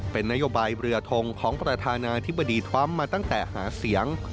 เป็นนโยบายเรือทงของประธานาธิบดีทรัมป์มาตั้งแต่หาเสียง